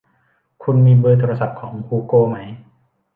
คุณมีเบอร์โทรศัพท์ของฮูโกไหม